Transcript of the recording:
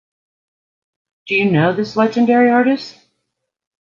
Do you know this legendary artist?